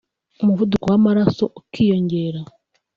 umuvuduko w’amaraso ukiyongera